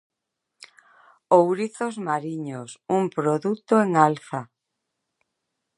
'Ourizos mariños, un produto en alza'.